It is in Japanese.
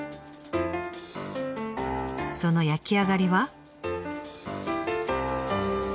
その焼き上がりは。